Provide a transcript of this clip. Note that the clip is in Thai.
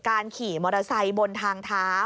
ขี่มอเตอร์ไซค์บนทางเท้า